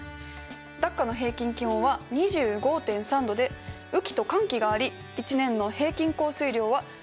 ダッカの平均気温は２５．３℃で雨季と乾季があり一年の平均降水量は２，０５５ｍｍです。